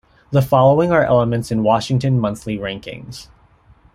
The following are elements in the Washington Monthly rankings.